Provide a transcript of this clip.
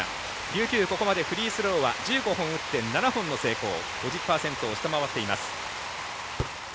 琉球、ここまでフリースローは１５本打って７本の成功５０％を下回っています。